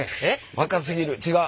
若すぎるちがう。